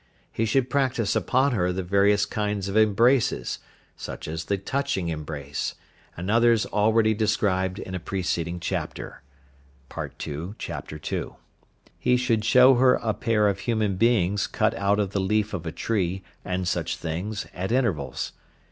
He should practise upon her the various kinds of embraces, such as the touching embrace, and others already described in a preceeding chapter (Part II. Chapter 2). He should show her a pair of human beings cut out of the leaf of a tree, and such like things, at intervals.